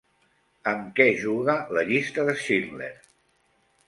Amb què juga La llista de Schindler?